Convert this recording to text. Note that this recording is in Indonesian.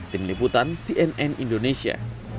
tim liputan cnn indonesia